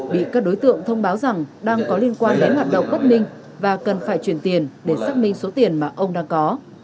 bị các đối tượng thông báo rằng đang có liên quan đến hoạt động bất minh và cần phải truyền tiền để xác minh số tiền mà ông đang có